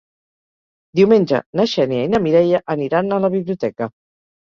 Diumenge na Xènia i na Mireia aniran a la biblioteca.